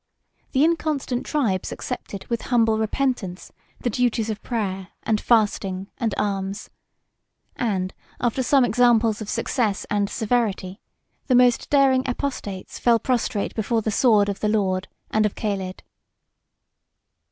The inconstant tribes accepted, with humble repentance, the duties of prayer, and fasting, and alms; and, after some examples of success and severity, the most daring apostates fell prostrate before the sword of the Lord and of Caled.